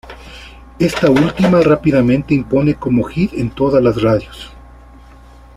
Esta última rápidamente impone como hit en todas las radios.